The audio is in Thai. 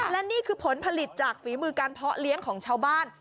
และนี่คือผลผลิตจากฝีมือการเพาะเลี้ยงของชาวบ้าน